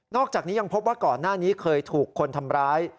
อกจากนี้ยังพบว่าก่อนหน้านี้เคยถูกคนทำร้าย